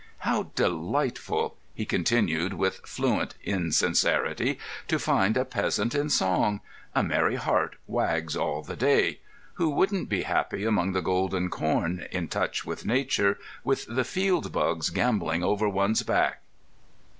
"How delightful," he continued, with fluent insincerity, "to find a peasant in song! A merry heart wags all the day. Who wouldn't be happy among the golden corn, in touch with Nature, with the field bugs gambolling over one's back!"